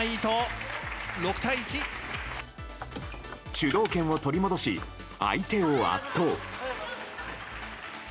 主導権を取り戻し相手を圧倒。